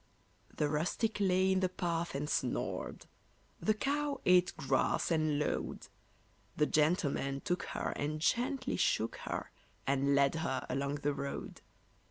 The rustic lay in the path and snored; The cow ate grass and lowed; The gentleman took her and gently shook her, And led her along the road.